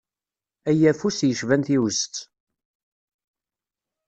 Ay afus yecban tiwzet.